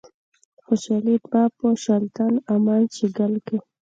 خوشحالي وه په شُلتن، امان شیګل کښي